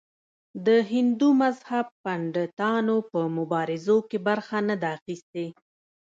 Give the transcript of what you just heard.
د هندو مذهب پنډتانو په مبارزو کې برخه نه ده اخیستې.